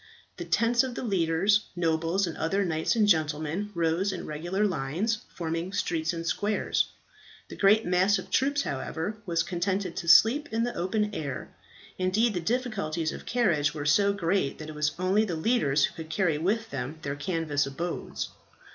The tents of the leaders, nobles, and other knights and gentlemen, rose in regular lines, forming streets and squares. The great mass of troops, however, were contented to sleep in the open air; indeed the difficulties of carriage were so great that it was only the leaders who could carry with them their canvas abodes.